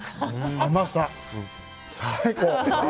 甘さ、最高！